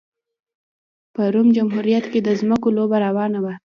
په روم جمهوریت کې د ځمکو لوبه روانه وه